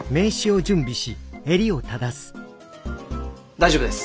大丈夫です。